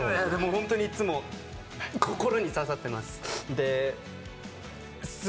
本当にいつも心に刺さってます。